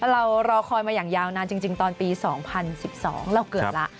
เรารอคอยมาอย่างยาวนานจริงตอนปี๒๐๑๒เราเกิดละ